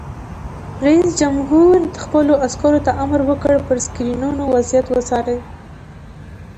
رئیس جمهور خپلو عسکرو ته امر وکړ؛ پر سکرینونو وضعیت وڅارئ!